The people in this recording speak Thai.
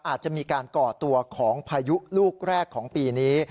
อาจจะมีการก่อตัวของพายุลูกแรกของปีนี้